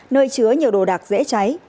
nơi chứa nhiều đồ đạc dễ cháy